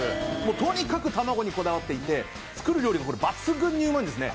とにかく卵にこだわっていて作る料理も抜群にうまいんですね。